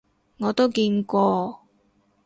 我都見過